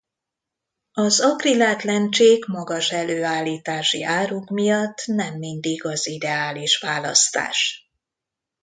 Az akrilát lencsék magas előállítási áruk miatt nem mindig az ideális választás.